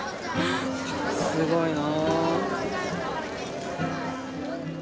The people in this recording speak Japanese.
すごいな。